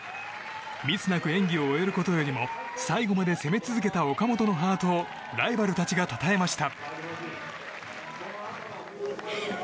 ミスなく演技を終えることよりも最後まで攻め続けた岡本のハートをライバルたちがたたえました。